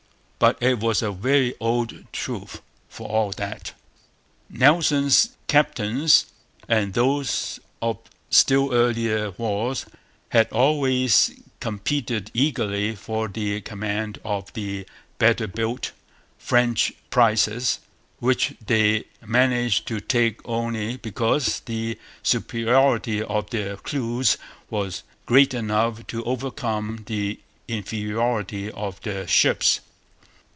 But it was a very old truth, for all that. Nelson's captains, and those of still earlier wars, had always competed eagerly for the command of the better built French prizes, which they managed to take only because the superiority of their crews was great enough to overcome the inferiority of their ships.